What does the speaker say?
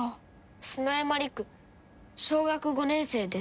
砂山理玖小学５年生です。